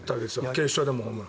決勝でもホームラン。